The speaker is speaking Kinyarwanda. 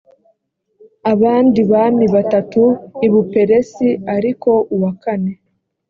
abandi bami batatu i buperesi ariko uwa kane